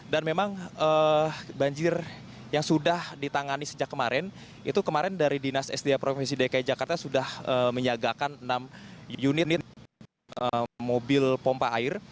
dan memang banjir yang sudah ditangani sejak kemarin itu kemarin dari dinas sdapdk jakarta sudah menyiagakan enam unit mobil pompa air